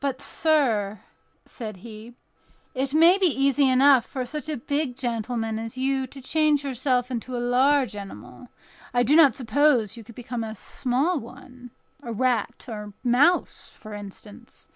"But, sir," said he, "it may be easy enough for such a big gentleman as you to change himself into a large animal; I do not suppose you could become a small one—a rat, or mouse, for instance.